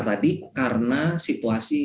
tadi karena situasi